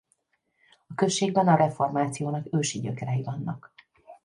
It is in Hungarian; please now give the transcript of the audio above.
A községben a reformációnak ősi gyökerei vannak.